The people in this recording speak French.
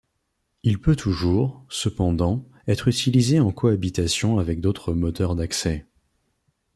Il peut toujours, cependant, être utilisé en cohabitation avec d'autres moteurs d'accès.